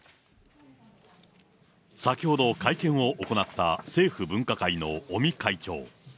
先ほど、会見を行った政府分科会の尾身会長。